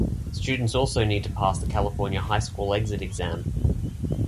Students also need to pass the California High School Exit Exam.